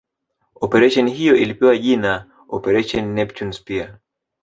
Operesheni hiyo ilipewa jina Operation Neptune Spear